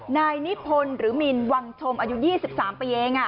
นายนิพนธ์หรือมินวังชมอายุ๒๓ปีเอง